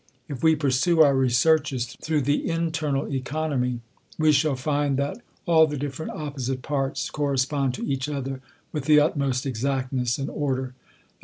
If we pursue our researches through the internal economy, we shall fmd,that all the different opposite parts correspond tofl each other with the utmost exactness and order; that